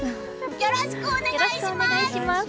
よろしくお願いします！